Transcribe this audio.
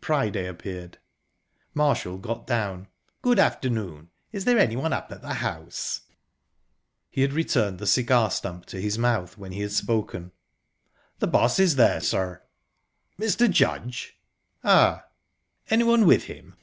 Priday appeared. Marshall got down..."Good afternoon! Is there anyone up at the house?" He had returned the cigar stump t his mouth when he had spoken. "The boss is there, sir." "Mr. Judge?" "Ah." "Anyone with him?"